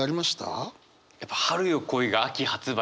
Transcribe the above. やっぱ「春よ、来い」が秋発売。